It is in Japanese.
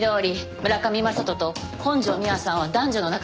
村上雅人と本条美和さんは男女の仲にあったわ。